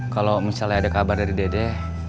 kalau misalnya ada kabar dari dede